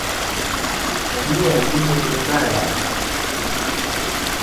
A ni-a ghɨ ɨlvɨ na.